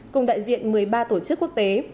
cùng đại diện một mươi ba tổ chức quốc tế